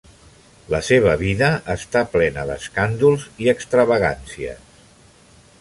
La seva vida està plena d'escàndols i extravagàncies.